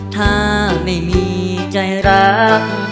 ถ้าไม่มีใจรัก